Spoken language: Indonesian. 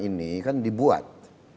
ini kan dibuat